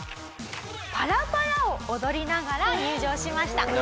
パラパラを踊りながら入場しました。